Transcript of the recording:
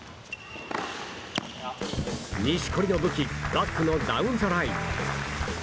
錦織の武器バックのダウンザライン。